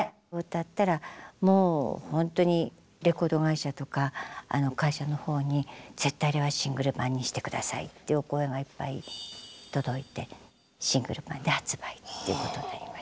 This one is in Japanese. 歌ったらもうほんとにレコード会社とか会社の方に「絶対あれはシングル盤にして下さい」っていうお声がいっぱい届いてシングル盤で発売っていうことになりました。